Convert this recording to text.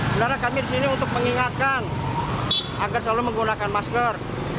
benar benar kami disini untuk mengingatkan agar selalu menggunakan masker